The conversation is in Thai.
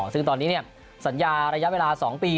ซึ่งตอนนี้สัญญาระยะเวลา๒ปี